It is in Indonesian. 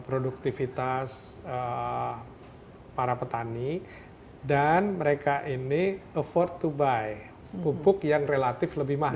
produktivitas para petani dan mereka ini afford to buy pupuk yang relatif lebih mahal